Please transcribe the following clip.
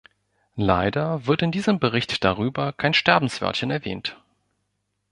Leider wird in diesem Bericht darüber kein Sterbenswörtchen erwähnt.